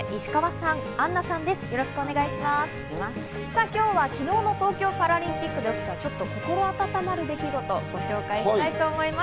さぁ、今日は昨日の東京パラリンピックで起きた、ちょっと心温まる出来事をご紹介したいと思います。